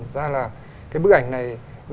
thực ra là bức ảnh này